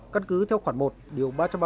căn cứ theo khoản một điều ba trăm ba mươi